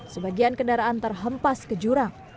sebagian kendaraan terhempas ke jurang